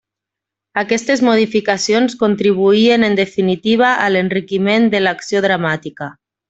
Aquestes modificacions contribuïen en definitiva a l'enriquiment de l'acció dramàtica.